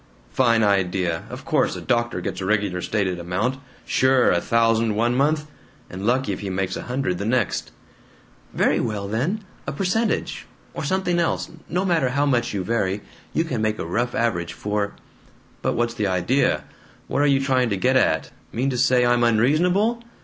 "Fine idea! Of course a doctor gets a regular stated amount! Sure! A thousand one month and lucky if he makes a hundred the next." "Very well then, a percentage. Or something else. No matter how much you vary, you can make a rough average for " "But what's the idea? What are you trying to get at? Mean to say I'm unreasonable?